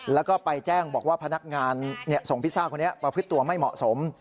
แล้วก็ไปแจ้งบอกว่าพนักงานส่งพิซซ่าคนนี้ประพฤติตัวไม่เหมาะสม